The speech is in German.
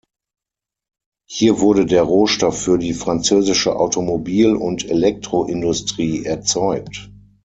Hier wurde der Rohstoff für die französische Automobil- und Elektroindustrie erzeugt.